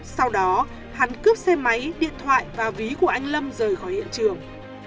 sau đó hắn cướp xe máy điện thoại và ví của anh lâm rời khỏi hiện trường